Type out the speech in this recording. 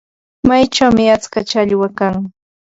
Mayuchawmi atska challwa kan.